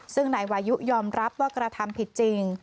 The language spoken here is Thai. ซึ่งนายวายุยอมรับว่ากระทำผิดจริง